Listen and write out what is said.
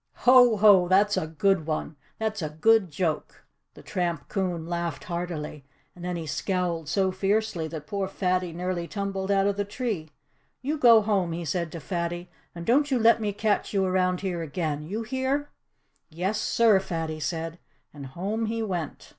"Ho, ho! That's a good one! That's a good joke!" The tramp coon laughed heartily. And then he scowled so fiercely that poor Fatty nearly tumbled out of the tree. "You go home," he said to Fatty. "And don't you let me catch you around here again. You hear?" "Yes, sir!" Fatty said. And home he went.